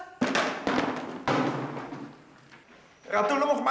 heratu lo mau ke mana